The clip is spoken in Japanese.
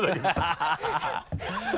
ハハハ